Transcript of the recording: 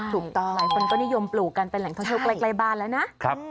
หลายคนก็นิยมปลูกกันเป็นแหล่งท่องเที่ยวใกล้บ้านแล้วนะ